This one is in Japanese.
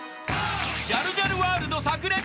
［ジャルジャルワールド炸裂］